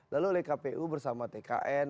lalu oleh kpu bersama tkn